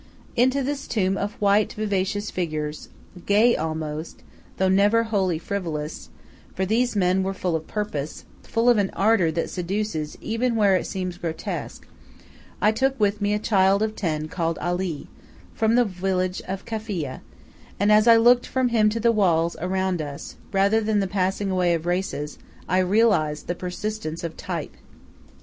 Into this tomb of white, vivacious figures, gay almost, though never wholly frivolous for these men were full of purpose, full of an ardor that seduces even where it seems grotesque I took with me a child of ten called Ali, from the village of Kafiah; and as I looked from him to the walls around us, rather than the passing away of the races, I realized the persistence of type.